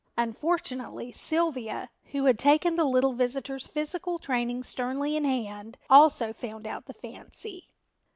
Unfortunately Sylvia, who had taken the little visitor's physical training sternly in hand, also found out the fancy.